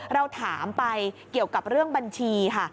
เราถามไปเกี่ยวกับเรื่องบัญชีค่ะ